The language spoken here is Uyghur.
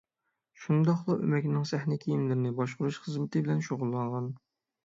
شۇنداقلا ئۆمەكنىڭ سەھنە كىيىملىرىنى باشقۇرۇش خىزمىتى بىلەن شۇغۇللانغان.